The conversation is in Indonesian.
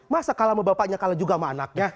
masa kalah sama bapaknya kalah juga sama anaknya